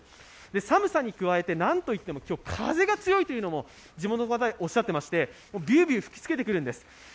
寒さに加えて、何といっても今日、風が強いというのも地元の方、おっしゃっていまして、ビュービュー吹きつけてくるんです。